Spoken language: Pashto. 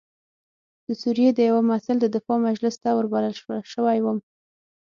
د سوریې د یوه محصل د دفاع مجلس ته وربلل شوی وم.